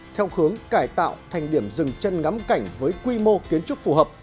theo hướng cải tạo thành điểm rừng chân ngắm cảnh với quy mô kiến trúc phù hợp